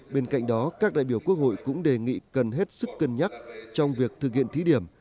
bên cạnh đó các đại biểu quốc hội cũng đề nghị cần hết sức cân nhắc trong việc thực hiện thí điểm